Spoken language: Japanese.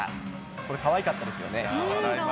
これ、かわいかったですよね。